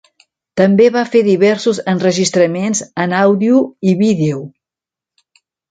També va fer diversos enregistraments en àudio i vídeo.